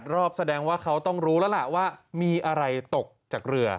รอบแสดงว่าเขาต้องรู้แล้วล่ะว่ามีอะไรตกจากเรือ